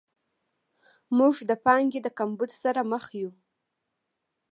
موږ د پانګې د کمبود سره مخ یو.